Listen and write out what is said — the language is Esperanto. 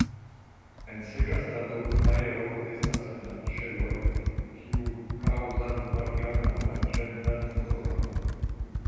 En seka stato aero estas en la ĉeloj, kiu kaŭzas blankan aŭ arĝentan koloron.